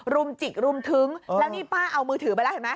รุมจิกรุมทึ้งแล้วนี่ป้าเอามือถือไปแล้วเห็นไหม